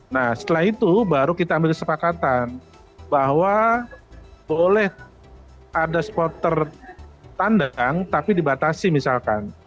nah setelah itu baru kita ambil kesepakatan bahwa boleh ada supporter tandang tapi dibatasi misalkan